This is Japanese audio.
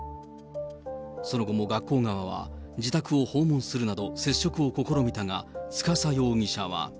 その後も学校側は自宅を訪問するなど接触を試みたが、司容疑者は。